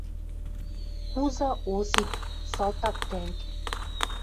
Куза Осип — салтак тӓнг.